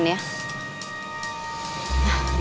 ini aku pesen ya